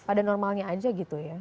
pada normalnya aja gitu ya